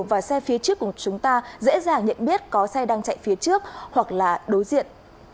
và xe phía trước của chúng ta dễ dàng nhận biết có xe đang chạy phía trước hoặc là đối diện